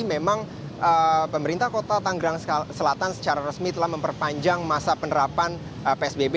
memang pemerintah kota tanggerang selatan secara resmi telah memperpanjang masa penerapan psbb